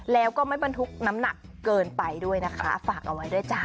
แล้วก็ไม่บรรทุกน้ำหนักเกินไปด้วยนะคะฝากเอาไว้ด้วยจ้ะ